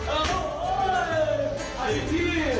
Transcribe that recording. โอ้ย